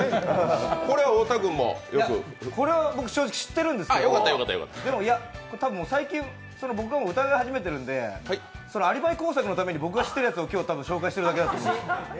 これは僕、正直知ってるんですけどでもたぶん最近、僕が疑い始めているので、アリバイ工作のために僕が知ってるやつを紹介してるだけだと思う。